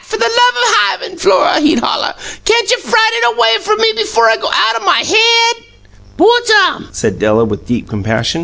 Fer the love o' hivin', Flora,' he'd holler, 'cantcha fright it away from me before I go out o' me head?'" "Poor Tom!"